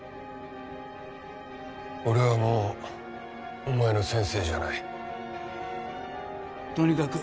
俺はもうお前の先生じゃないとにかく